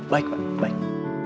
baik pak baik